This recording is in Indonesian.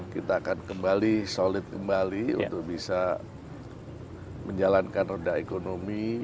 kita akan kembali solid kembali untuk bisa menjalankan roda ekonomi